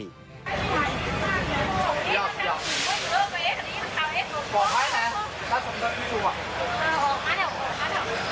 มียำมือท่านตาใช่ไหม